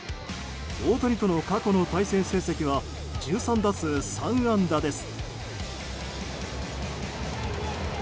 大谷との過去の対戦成績は１３打数３安打です。